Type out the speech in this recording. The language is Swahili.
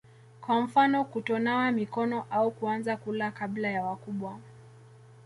kwa mfano kutonawa mikono au kuanza kula kabla ya wakubwa